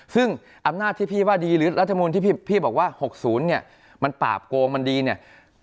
ซึ่งอำนาจที่พี่ว่าดีหรือรัฐมนูลที่พี่บอกว่า๖๐เนี่ยมันปราบโกงมันดีเนี่ย